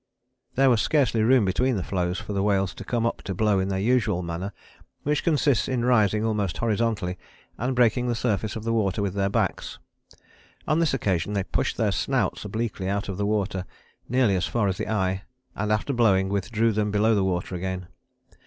There was scarcely room between the floes for the whales to come up to blow in their usual manner, which consists in rising almost horizontally, and breaking the surface of the water with their backs. On this occasion they pushed their snouts obliquely out of the water, nearly as far as the eye, and after blowing, withdrew them below the water again.